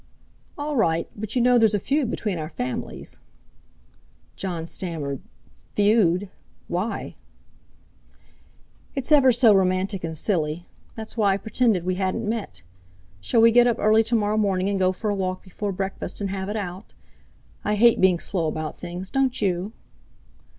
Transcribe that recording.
"All right! But you know there's a feud between our families?" Jon stammered: "Feud? Why?" "It's ever so romantic and silly. That's why I pretended we hadn't met. Shall we get up early to morrow morning and go for a walk before breakfast and have it out? I hate being slow about things, don't you?"